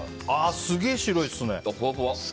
すげえ白いですね。